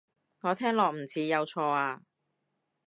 我聽落唔似有錯啊